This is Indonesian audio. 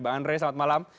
bang andre selamat malam